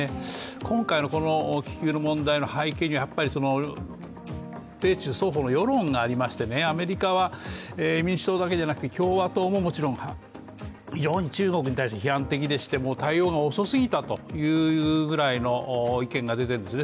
今回の気球の問題の背景には米中双方の世論がありましてアメリカは民主党だけじゃなくて共和党も非常に中国に対して批判的でして、対応が遅すぎたというぐらいの意見が出ているんですね。